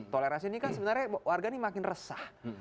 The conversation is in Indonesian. toleransi ini kan sebenarnya warga ini makin resah